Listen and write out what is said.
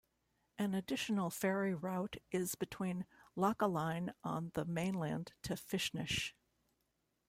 An additional ferry route is between Lochaline on the mainland to Fishnish.